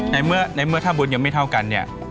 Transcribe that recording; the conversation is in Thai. ในเมื่อถ้าบุญยังไม่เท่ากันเนี่ย